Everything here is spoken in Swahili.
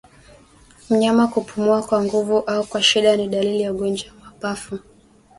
Mnyama kupumua kwa nguvu au kwa shida ni dalili ya ugonjwa wa mapafu